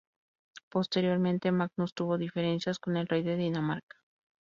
Posteriormente, Magnus tuvo diferencias con el rey de Dinamarca.